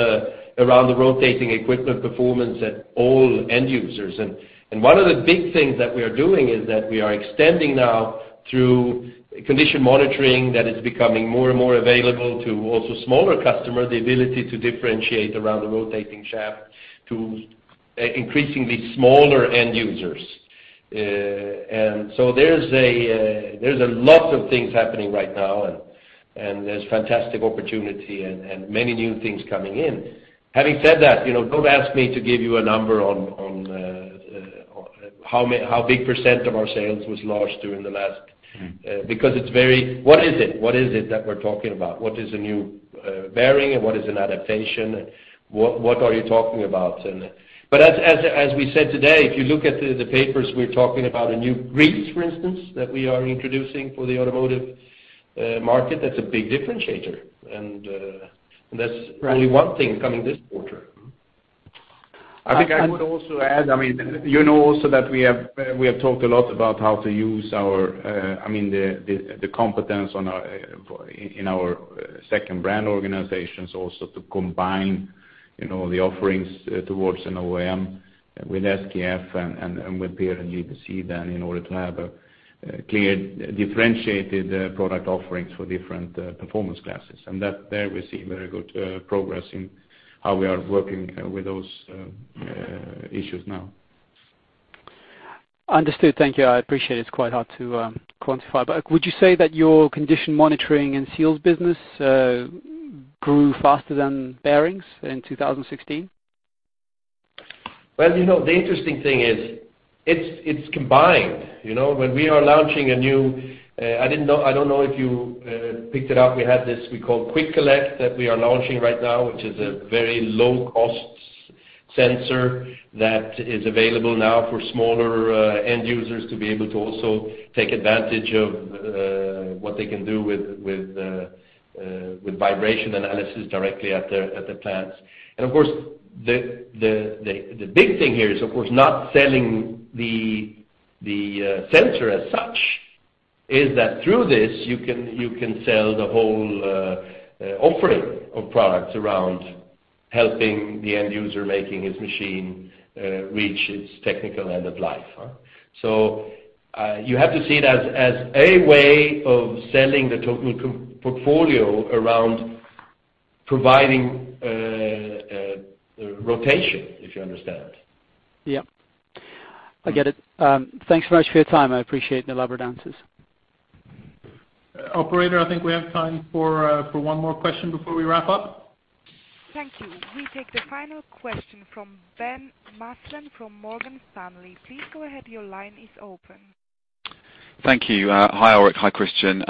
around the rotating equipment performance at all end users. And one of the big things that we are doing is that we are extending now through condition monitoring, that is becoming more and more available to also smaller customers, the ability to differentiate around the rotating shaft to increasingly smaller end users. And so there's a lot of things happening right now, and there's fantastic opportunity and many new things coming in. Having said that, you know, don't ask me to give you a number on how big percent of our sales was large during the last- Mm. What is it? What is it that we're talking about? What is a new bearing, and what is an adaptation? What are you talking about? But as we said today, if you look at the papers, we're talking about a new grease, for instance, that we are introducing for the automotive market, that's a big differentiator. And that's. Right Only one thing coming this quarter. I I think I would also add, I mean, you know also that we have, we have talked a lot about how to use our, I mean, the competence on our, in our second brand organizations also to combine, you know, the offerings, towards an OEM with SKF and, and with PEER and GBC then in order to have a, clear, differentiated, product offerings for different, performance classes. And that there, we see very good, progress in how we are working, with those issues now. Understood. Thank you. I appreciate it's quite hard to quantify. But would you say that your condition monitoring and seals business grew faster than bearings in 2016? Well, you know, the interesting thing is, it's combined, you know? When we are launching a new, I don't know if you picked it up, we had this, we call QuickCollect, that we are launching right now, which is a very low-cost sensor that is available now for smaller end users to be able to also take advantage of what they can do with vibration analysis directly at their plants. And of course, the big thing here is, of course, not selling the sensor as such, is that through this, you can sell the whole offering of products around helping the end user making his machine reach its technical end of life, huh? You have to see it as a way of selling the total company portfolio around providing rotation, if you understand. Yep. I get it. Thanks so much for your time. I appreciate the elaborate answers. Operator, I think we have time for, for one more question before we wrap up. Thank you. We take the final question from Ben Maslen, from Morgan Stanley. Please go ahead. Your line is open. Thank you. Hi, Alrik. Hi, Christian.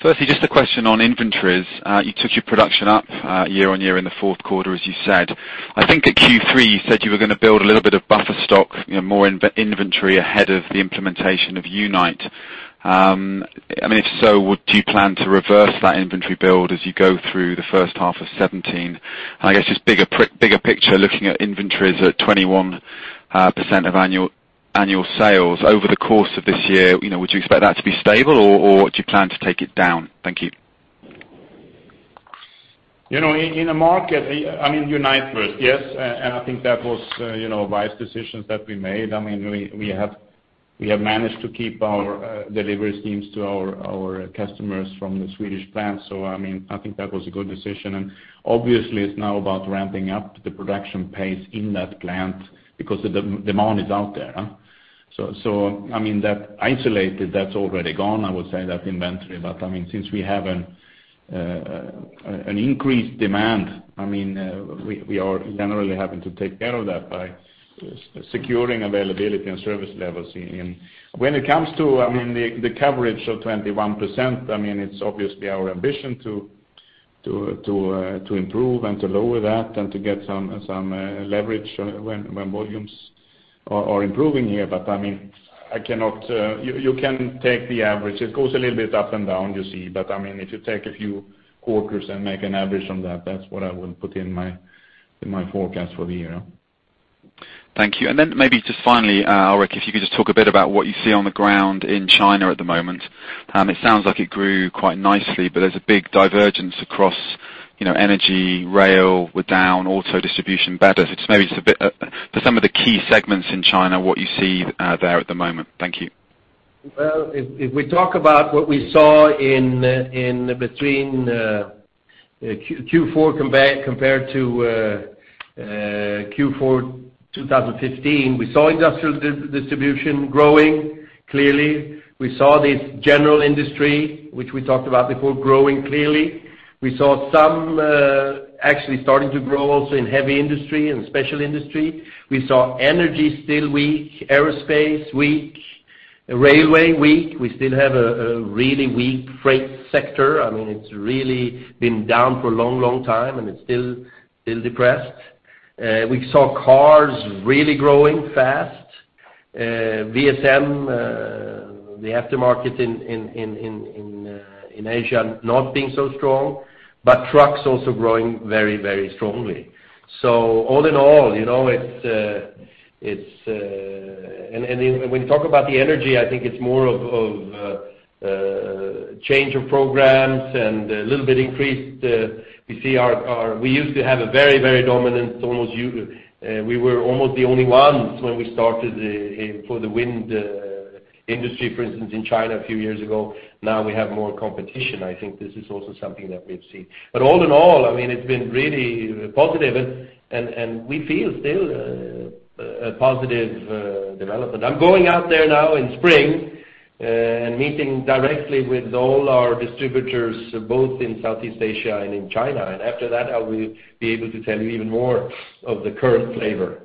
Firstly, just a question on inventories. You took your production up year-on-year in the fourth quarter, as you said. I think at Q3, you said you were gonna build a little bit of buffer stock, you know, more inventory ahead of the implementation of Unite. I mean, if so, would you plan to reverse that inventory build as you go through the first half of 2017? I guess, just bigger picture, looking at inventories at 21% of annual sales. Over the course of this year, you know, would you expect that to be stable, or do you plan to take it down? Thank you. You know, in a market, I mean, Unite first. Yes, and I think that was, you know, a wise decisions that we made. I mean, we have managed to keep our delivery schemes to our customers from the Swedish plant. So, I mean, I think that was a good decision. And obviously, it's now about ramping up the production pace in that plant because the demand is out there, huh? So, I mean, that isolated, that's already gone, I would say, that inventory. But, I mean, since we have an increased demand, I mean, we are generally having to take care of that by securing availability and service levels in... When it comes to, I mean, the coverage of 21%, I mean, it's obviously our ambition to improve and to lower that and to get some leverage when volumes are improving here. But, I mean, I cannot... You can take the average. It goes a little bit up and down, you see. But, I mean, if you take a few quarters and make an average on that, that's what I would put in my forecast for the year. Thank you. And then maybe just finally, Alrik, if you could just talk a bit about what you see on the ground in China at the moment. It sounds like it grew quite nicely, but there's a big divergence across, you know, energy, rail, were down, auto distribution, better. Just maybe just a bit, for some of the key segments in China, what you see, there at the moment. Thank you. Well, if we talk about what we saw in between Q4 compared to Q4, 2015, we saw industrial distribution growing clearly. We saw this general industry, which we talked about before, growing clearly. We saw some actually starting to grow also in heavy industry and special industry. We saw energy still weak, aerospace, weak, railway, weak. We still have a really weak freight sector. I mean, it's really been down for a long, long time, and it's still depressed. We saw cars really growing fast. VSM, the aftermarket in Asia, not being so strong, but trucks also growing very, very strongly. So all in all, you know, it's... When we talk about the energy, I think it's more of change of programs and a little bit increased. We see our—we used to have a very, very dominant, almost we were almost the only ones when we started for the wind industry, for instance, in China a few years ago. Now, we have more competition. I think this is also something that we've seen. But all in all, I mean, it's been really positive, and we feel still a positive development. I'm going out there now in spring and meeting directly with all our distributors, both in Southeast Asia and in China. And after that, I will be able to tell you even more of the current flavor.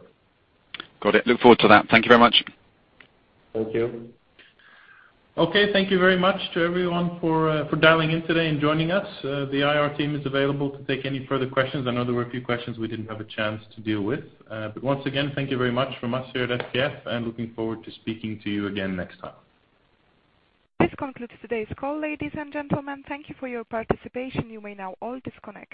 Got it. Look forward to that. Thank you very much. Thank you. Okay, thank you very much to everyone for dialing in today and joining us. The IR team is available to take any further questions. I know there were a few questions we didn't have a chance to deal with. But once again, thank you very much from us here at SKF, and looking forward to speaking to you again next time. This concludes today's call, ladies and gentlemen. Thank you for your participation. You may now all disconnect.